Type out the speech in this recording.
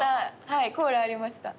はいコーラありました。